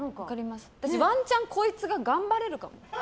ワンチャンこいつが頑張れるかも。